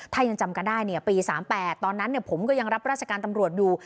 ถ้ายังจำกันได้ปี๓๘ตอนนั้นผมก็ยังรับราชการตำรวจอยู่